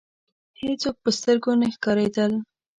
هېڅوک په سترګو نه ښکاریدل.